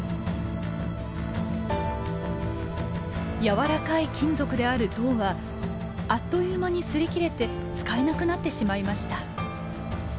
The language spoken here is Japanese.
やわらかい金属である銅はあっという間に擦り切れて使えなくなってしまいました。